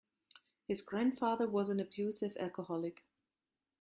His grandfather was an abusive alcoholic.